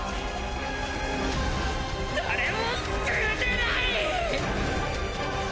誰も救えてない！！